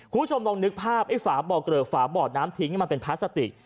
คุณผู้ชมลองนึกภาพไอ้ฝาบ่อเกลอฝาบ่อน้ำทิ้งมันเป็นพลาสติก